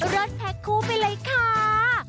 เลิศแพ็คคู่ไปเลยค่ะ